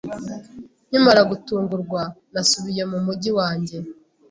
Nkimara gutungurwa, nasubiye mu mujyi wanjye.